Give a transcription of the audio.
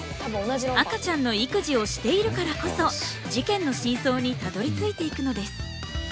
赤ちゃんの育児をしているからこそ事件の真相にたどりついていくのです。